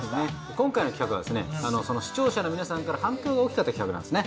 今回の企画は視聴者の皆さんから反響が大きかった企画なんですね。